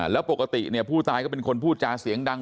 แล้วปกติเนี่ยผู้ตายก็เป็นคนพูดจาเสียงดัง